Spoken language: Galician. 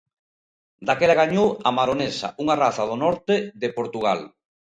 Daquela gañou a maronesa, unha raza do norte de Portugal.